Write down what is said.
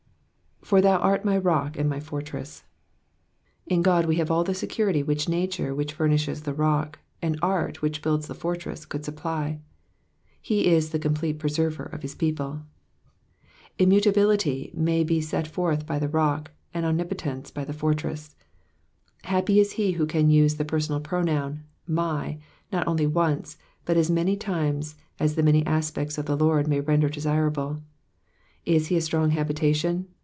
^''For thou art my rock and myfoi* tress,"*^ In God we have all the security which nature which furnishes the rock, and art which builds the fortress, could supply ; he is the complete preserver of his people. luinmtability may be set forth b> the rock, and omnipotence by the fortress. Happy is he who can use the personal pronoun my" — not only once, but as many times as the many aspects cl the Lord may render desirable. Is he a strong habitation